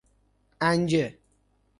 عنجه